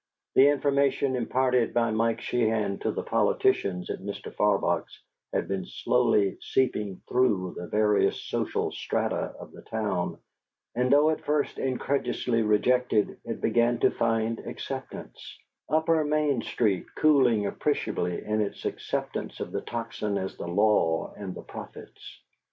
The information imparted by Mike Sheehan to the politicians at Mr. Farbach's had been slowly seeping through the various social strata of the town, and though at first incredulously rejected, it began to find acceptance; Upper Main Street cooling appreciably in its acceptance of the Tocsin as the law and the prophets.